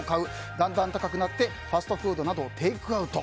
だんだん高くなってファストフードやテイクアウト。